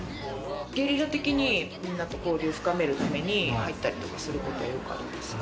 ゲリラ的にみんなと交流を深めるために入ったりとかすることは多くあります。